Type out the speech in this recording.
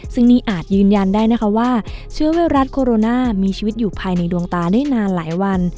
ซึ่งนี่อาจยืนยันได้นะคะว่าเชื้อไวรัสโคโรนามีชีวิตอยู่ภายในดวงตาได้นานหลายวัน